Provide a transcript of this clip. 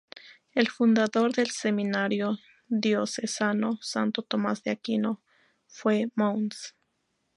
El Fundador del Seminario Diocesano Santo Tomás de Aquino fue Mons.